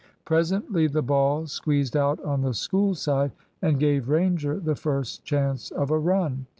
Presently the ball squeezed out on the School side and gave Ranger the first chance of a run.